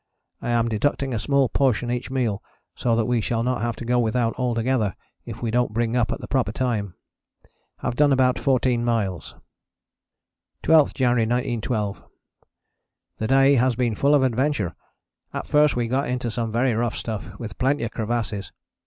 I am deducting a small portion each meal so that we shall not have to go without altogether if we don't bring up at the proper time. Have done about 14 miles. 12th January 1912. The day has been full of adventure. At first we got into some very rough stuff, with plenty of crevasses.